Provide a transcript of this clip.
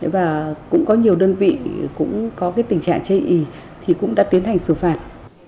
và cũng có nhiều đơn vị cũng có tình trạng chây ý thì cũng đã tiến hành xử phạt